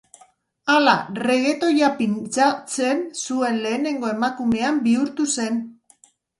Hala, reggaetoia pintxatzen zuen lehenengo emakumean bihurtu zen.